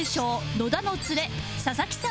野田のツレ佐々木さん